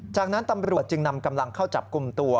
จากนั้นตำรวจจึงนำกำลังเข้าจับกลุ่มตัว